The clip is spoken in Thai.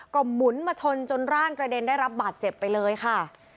ก็หมุนมาชนจนร่างกระเด็นได้รับบาดเจ็บไปเลยค่ะ